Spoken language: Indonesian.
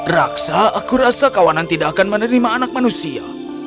raksa aku rasa kawanan tidak akan menerima anak manusia